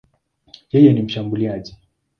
Yeye ni mshambuliaji.